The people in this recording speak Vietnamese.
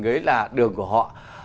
đấy là đường của họ